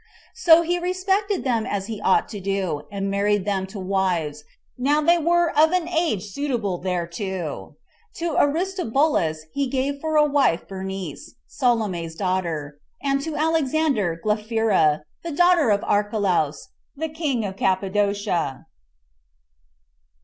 So he respected them as he ought to do, and married them to wives, now they were of an age suitable thereto. To Aristobulus he gave for a wife Bernice, Salome's daughter; and to Alexander, Glaphyra, the daughter of Archelaus, king of Cappadocia.